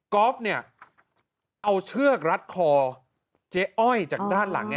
กอล์ฟเอาเชือกรัดคอเจ๊อ้อยจากด้านหลัง